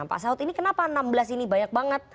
pak asahud kenapa enam belas ini banyak banget